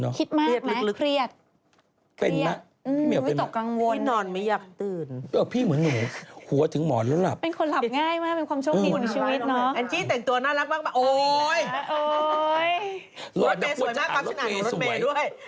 ส่งเองหรือเปล่านั่งอยู่ตรงนี้